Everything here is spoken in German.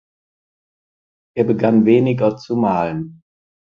Er begann weniger zu malen.